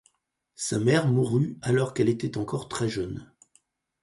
Sa mère mourut alors qu'elle était encore très jeune.